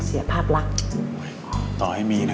สามารถรับชมได้ทุกวัย